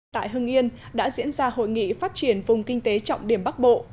tại hưng yên đã diễn ra hội nghị phát triển vùng kinh tế trọng điểm bắc bộ